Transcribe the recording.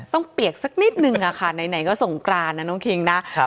เปียกสักนิดนึงค่ะไหนก็สงกรานนะน้องคิงนะ